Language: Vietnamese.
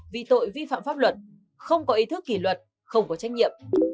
vì tội vi phạm pháp luật không có ý thức kỷ luật không có trách nhiệm